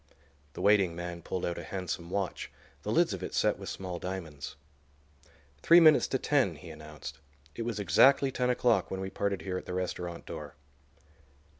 The waiting man pulled out a handsome watch, the lids of it set with small diamonds. "Three minutes to ten," he announced. "It was exactly ten o'clock when we parted here at the restaurant door."